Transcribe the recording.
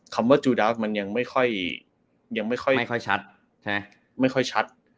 คำว่าจูดาวร์อยากไม่ค่อยชัด